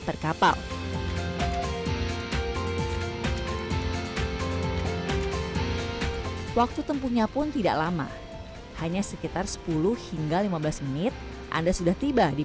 per kapal waktu tempuhnya pun tidak lama hanya sekitar sepuluh hingga lima belas menit anda sudah tiba di